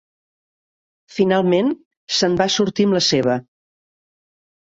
Finalment se'n va sortir amb la seva.